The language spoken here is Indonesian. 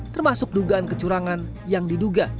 termasuk dugaan kecurangan yang diduga